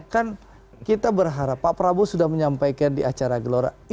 kan kita berharap pak prabowo sudah menyampaikan di acara gelora